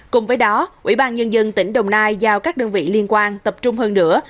cùng với đó ủy ban nhân dân tỉnh đồng nai giao các đơn vị liên quan tập trung hơn nữa